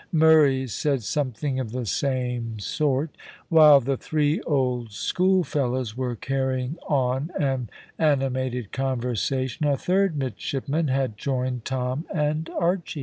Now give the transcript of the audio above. Murray said something of the same sort. While the three old school fellows were carrying on an animated conversation, a third midshipman had joined Tom and Archy.